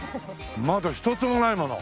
窓一つもないもの。